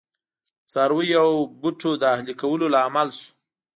د څارویو او بوټو د اهلي کولو لامل شو.